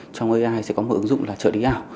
trong ai sẽ có một ứng dụng là trợ lý ảo